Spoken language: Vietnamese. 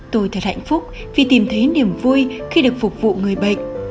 tôi thật hạnh phúc vì tìm thấy niềm vui khi được phục vụ người bệnh